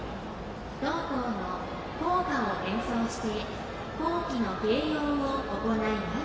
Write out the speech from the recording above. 同校の校歌を演奏して校旗の掲揚を行います。